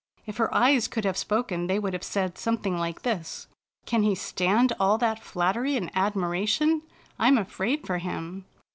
If her eyes could have spoken they would have said something like this: "Can he stand all that flat tery and admiration? I'm afraid for him."